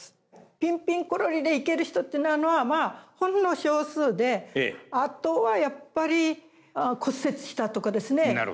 ピンピンコロリでいける人っていうのはまあほんの少数であとはやっぱり骨折したとかですね